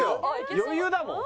余裕だもん。